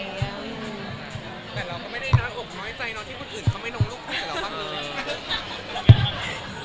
แต่เราก็ไม่ได้น้อยอกน้อยใจเราที่คนอื่นเขาไม่ลงรูปคุยกับเราบ้างเลย